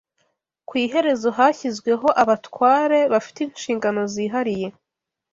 Ku iherezo hashyizweho abatware bafite inshingano zihariye